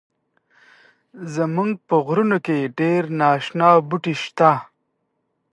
زمونږ په غرونو کښی ډیر ناشنا بوټی شته